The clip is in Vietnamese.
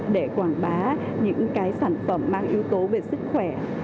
để quảng bá những cái sản phẩm mang yếu tố về sức khỏe